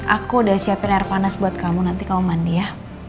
aku udah siapin air panas buat kamu nanti kamu mandi ya